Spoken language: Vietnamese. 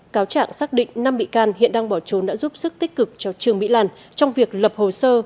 cáo trạng xác định năm bị can hiện đang bỏ trốn đã giúp sức tích cực cho trương mỹ lan trong việc lập hồ sơ